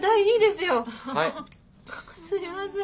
すいません。